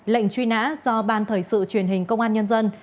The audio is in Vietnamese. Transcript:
lệnh truy nã do ban thời sự truyền hình công an nhân dân